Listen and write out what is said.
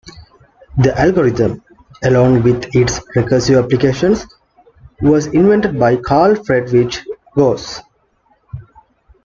The algorithm, along with its recursive application, was invented by Carl Friedrich Gauss.